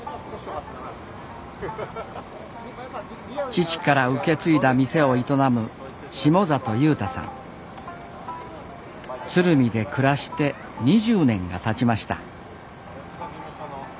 父から受け継いだ店を営む鶴見で暮らして２０年がたちました。